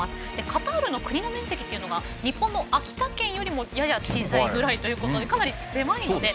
カタールの国の面積は日本の秋田県よりもやや小さいぐらいということでかなり狭くて。